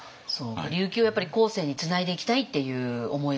琉球をやっぱり後世につないでいきたいっていう思いが。